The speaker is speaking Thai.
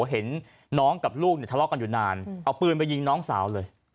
เห็นน้องกับลูกเนี่ยทะเลาะกันอยู่นานเอาปืนไปยิงน้องสาวเลย